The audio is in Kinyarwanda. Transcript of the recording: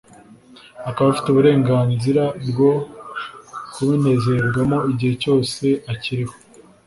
akaba afite uburengarizira bwo kubinezererwamo igihe cyose akiriho;